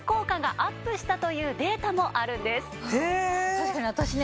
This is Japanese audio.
確かに私ね